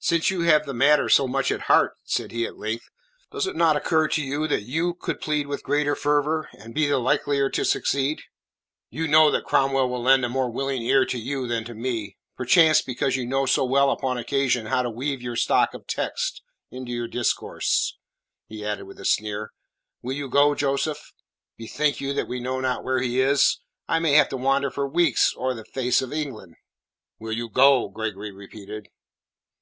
"Since you have the matter so much at heart," said he at length, "does it not occur to you that you could plead with greater fervour, and be the likelier to succeed?" "You know that Cromwell will lend a more willing ear to you than to me perchance because you know so well upon occasion how to weave your stock of texts into your discourse," he added with a sneer. "Will you go, Joseph?" "Bethink you that we know not where he is. I may have to wander for weeks o'er the face of England." "Will you go?" Gregory repeated.